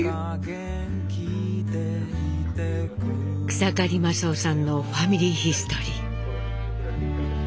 草刈正雄さんのファミリーヒストリー。